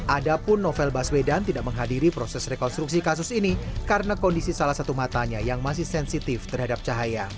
adapun novel baswedan tidak menghadiri proses rekonstruksi kasus ini karena kondisi salah satu matanya yang masih sensitif terhadap cahaya